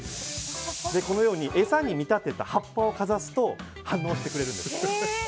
このように餌に見立てた葉っぱをかざすと反応してくれるんです。